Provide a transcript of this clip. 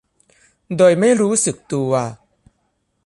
โดยไม่รู้สึกตัว